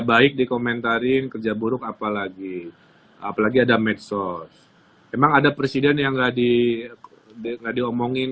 baik dikomentar in kerja buruk apalagi apalagi ada medsos emang ada presiden yang lagi dekat diomongin